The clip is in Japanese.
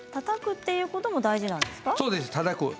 たたくということも大事なんですか？